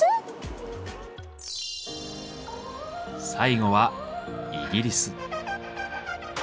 最後はイギリス。